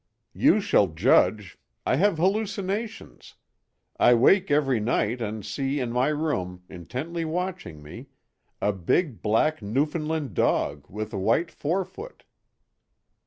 "You shall judge—I have hallucinations. I wake every night and see in my room, intently watching me, a big black Newfoundland dog with a white forefoot."